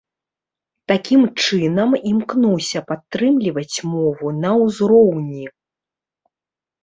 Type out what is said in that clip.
Такім чынам імкнуся падтрымліваць мову на ўзроўні.